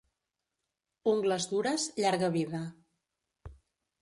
Ungles dures, llarga vida.